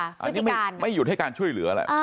อันนี้ไม่หยุดให้การช่วยเหลืออะไร